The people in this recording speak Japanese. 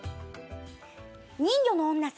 人魚の女